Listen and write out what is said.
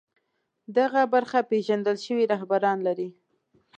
دغه برخه پېژندل شوي رهبران لري